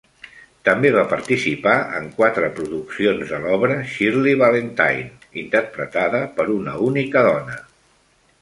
També va participar en quatre produccions de l'obra "Shirley Valentine", interpretada per una única dona.